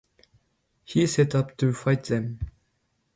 He sets up to fight them.